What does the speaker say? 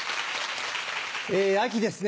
秋ですね